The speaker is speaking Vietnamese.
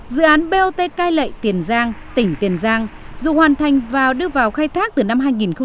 dự án bot cai lệ tiền giang tỉnh tiền giang dù hoàn thành và đưa vào khai thác từ năm hai nghìn một mươi